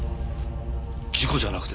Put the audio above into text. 事故じゃなくて？